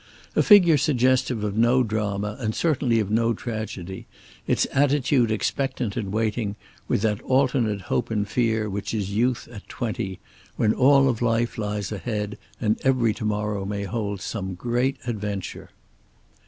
A figure suggestive of no drama and certainly of no tragedy, its attitude expectant and waiting, with that alternate hope and fear which is youth at twenty, when all of life lies ahead and every to morrow may hold some great adventure.